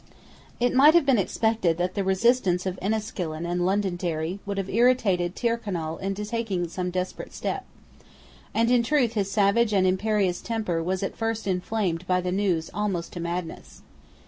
It might have been expected that the resistance of Enniskillen and Londonderry would have irritated Tyrconnel into taking some desperate step. And in truth his savage and imperious temper was at first inflamed by the news almost to madness.